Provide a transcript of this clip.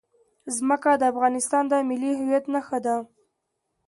ځمکه د افغانستان د ملي هویت نښه ده.